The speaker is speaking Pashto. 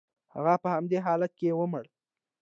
هغه په همدې حالت کې ومړ.